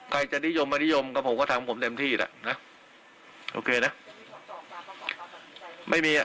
ใครจะนิยมมานิยมก็ผมก็ทำผมเต็มที่แหละนะโอเคนะไม่มีอ่ะ